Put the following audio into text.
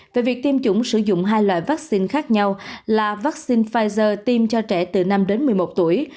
về việc tiêm chủng sử dụng hai loại vaccine khác nhau là vaccine pfizer tiêm cho trẻ từ năm đến một mươi một tuổi